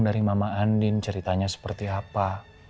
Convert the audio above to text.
dari mama andin ceritanya seperti apa